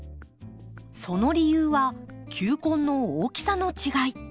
その理由は球根の大きさの違い。